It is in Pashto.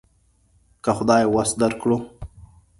که خدای وس درکړو.